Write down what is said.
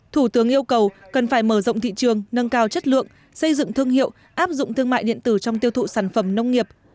thủ tướng yêu cầu cần phải mở rộng thị trường nâng cao chất lượng xây dựng thương hiệu áp dụng thương mại điện tử trong tiêu thụ sản phẩm nông nghiệp